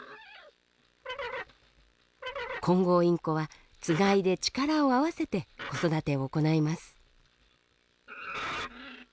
コンゴウインコはつがいで力を合わせて子育てを行います。